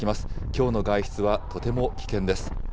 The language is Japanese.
きょうの外出はとても危険です。